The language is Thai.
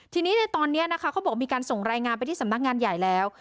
ทีนี้ในตอนนี้นะคะเขาบอกมีการส่งรายงานไปที่สำนักงานใหญ่แล้ว